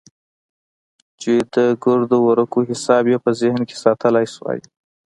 چې د ګردو ورقو حساب يې په ذهن کښې ساتلى سو.